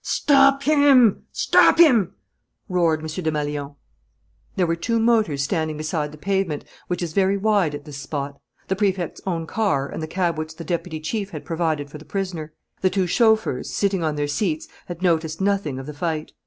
"Stop him! Stop him!" roared M. Desmalions. There were two motors standing beside the pavement, which is very wide at this spot: the Prefect's own car, and the cab which the deputy chief had provided for the prisoner. The two chauffeurs, sitting on their seats, had noticed nothing of the fight.